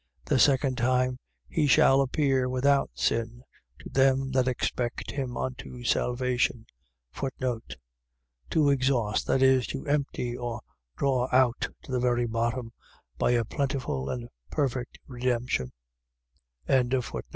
The second time he shall appear without sin to them that expect him unto salvation. To exhaust. . .That is, to empty, or draw out to the very bottom, by a plentiful and perfect redemption.